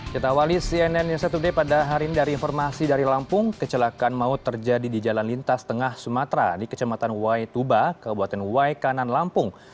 kita awali cnn news today pada hari ini dari informasi dari lampung kecelakaan maut terjadi di jalan lintas tengah sumatera di kecematan wai tuba kebuatan wai kanan lampung